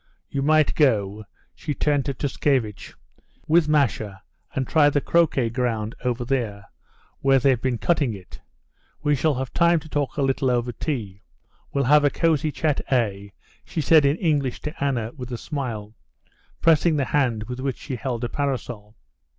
You might go"—she turned to Tushkevitch—"with Masha, and try the croquet ground over there where they've been cutting it. We shall have time to talk a little over tea; we'll have a cozy chat, eh?" she said in English to Anna, with a smile, pressing the hand with which she held a parasol.